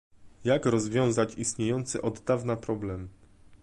jak rozwiązać istniejący od dawna problem?